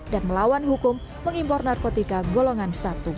dan melawan hukum mengimpor narkotika golongan satu